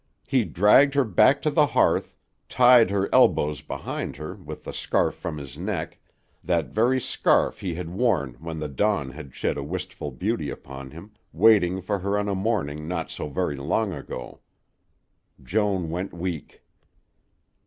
He dragged her back to the hearth, tied her elbows behind her with the scarf from his neck, that very scarf he had worn when the dawn had shed a wistful beauty upon him, waiting for her on a morning not so very long ago. Joan went weak.